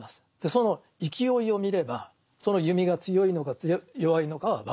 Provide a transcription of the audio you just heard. その勢いを見ればその弓が強いのか弱いのかは分かる。